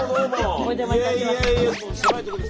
お邪魔いたします。